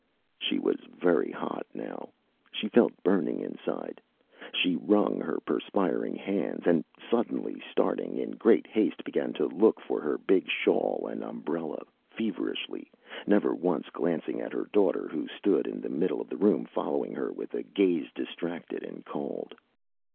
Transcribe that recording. Â She was very hot now. She felt burning inside. She wrung her perspiring hands and suddenly, starting in great haste, began to look for her big shawl and umbrella, feverishly, never once glancing at her daughter, who stood in the middle of the room following her with a gaze distracted and cold.